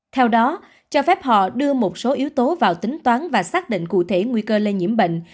theo đó cho phép họ đưa một số yếu tố vào tính toán và xác định cụ thể nguy cơ lây nhiễm bệnh